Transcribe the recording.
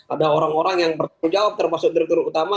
ada orang orang yang bertanggung jawab termasuk direktur utama